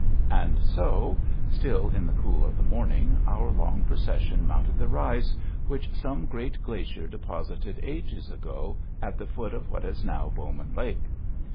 And so, still in the cool of the morning, our long procession mounted the rise which some great glacier deposited ages ago at the foot of what is now Bowman Lake.